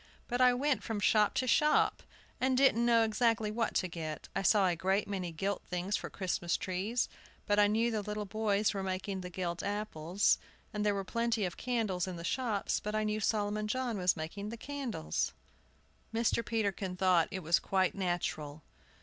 "But I went from shop to shop, and didn't know exactly what to get. I saw a great many gilt things for Christmas trees; but I knew the little boys were making the gilt apples; there were plenty of candles in the shops, but I knew Solomon John was making the candles." Mr. Peterkin thought it was quite natural.